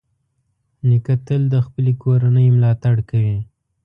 نیکه تل د خپلې کورنۍ ملاتړ کوي.